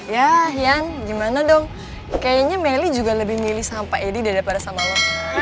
ya ian gimana dong kayaknya meli juga lebih milih sama pak edi daripada sama lo